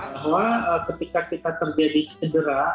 bahwa ketika kita terjadi cedera